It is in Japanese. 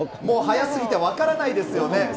もう速すぎて分からないですよね。